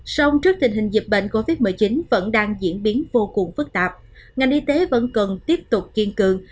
sông trước tình hình dịch bệnh covid một mươi chín vẫn đang diễn biến vô cùng phức tạp ngành y tế vẫn cần tiếp tục kiên cường